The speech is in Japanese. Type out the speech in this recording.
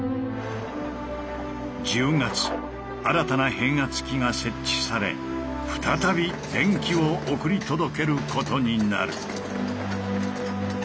１０月新たな変圧器が設置され再び電気を送り届けることになる。